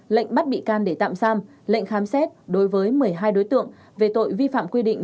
lệnh bắt bị can để tạm giam lệnh khám xét đối với một mươi hai đối tượng về tội vi phạm quy định